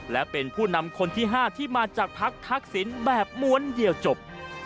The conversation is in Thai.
และเป็นผู้นำคนที่๕ที่มาจากพักทักษิณแบบม้วนเดียวจบ